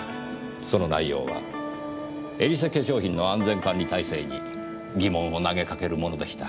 その内容はエリセ化粧品の安全管理体制に疑問を投げかけるものでした。